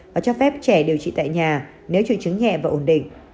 và cho phép trẻ điều trị tại nhà nếu trụ trứng nhẹ và ổn định